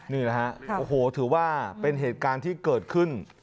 นี่นะครับถือว่าเป็นเหตุการณ์ที่เกิดขึ้น